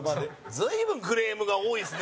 随分クレームが多いですね。